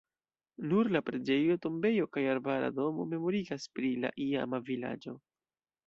Nur la preĝejo, tombejo kaj arbara domo memorigas pri la iama vilaĝo.